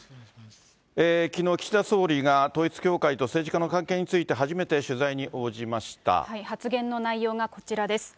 きのう、岸田総理が統一教会と政治家の関係について、初めて取材に応じま発言の内容がこちらです。